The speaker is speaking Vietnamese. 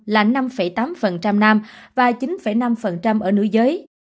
là năm tám nam và chín năm ở nữ giới